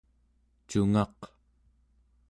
cungaq